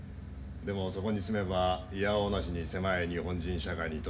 でもそこに住めばいやおうなしに狭い日本人社会に閉じ込められる。